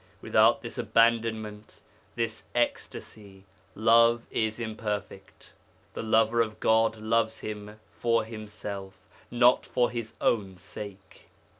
Without this abandonment, this ecstasy, love is imperfect. The Lover of God loves Him for Himself, not for his own sake.'